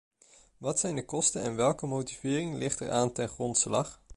Wat zijn de kosten en welke motivering ligt eraan ten grondslag?